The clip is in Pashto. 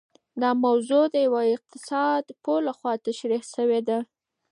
دا موضوع د يوه اقتصاد پوه لخوا تشرېح سوې ده.